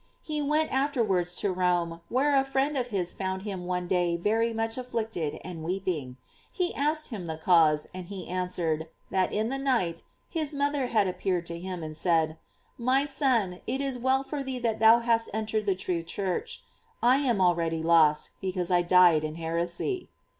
He went afterwards to Rome, where a friend of his found him one day very much afflicted, and weeping. He asked him the cause, and he answered, that in the night his mother had appeared to him and said: "My son, it is well for thee that thou hast entered the true Church; I am already lost, because I died in her esy."